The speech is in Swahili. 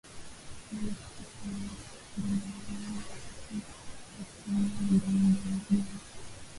Ngombe kutingishika mbele na nyuma wakati wa kupumua ni dalili ya Ndigana